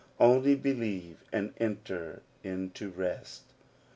Only believe, and enter into rest.